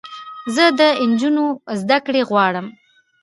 زه د انجونوو زدکړې غواړم